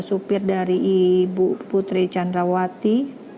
supir dari ibu putri candrawati